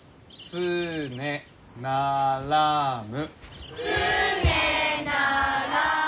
「つねならむ」。